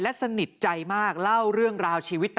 และสนิทใจมากเล่าเรื่องราวชีวิต